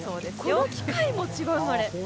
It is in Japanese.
この機械も千葉生まれ。